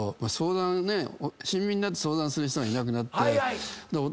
親身になって相談する人がいなくなって。